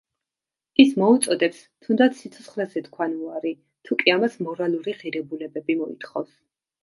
ის მოუწოდებს თუნდაც სიცოცხლეზე თქვან უარი თუ კი ამას მორალური ღირებულებები მოითხოვს.